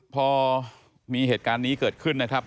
พอมีเหตุการณ์นี้เกิดขึ้นนะครับ